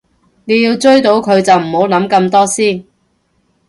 你要追到佢就唔好諗咁多先